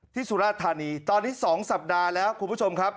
สุราธานีตอนนี้๒สัปดาห์แล้วคุณผู้ชมครับ